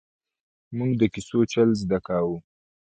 ـ مونږ د کیسو چل زده کاوه!